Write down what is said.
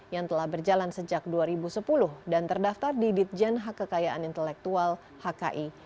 yang telah berjalan sejak dua ribu sepuluh dan terdaftar di ditjen hak kekayaan intelektual hki